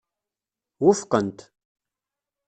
Wufqen-t.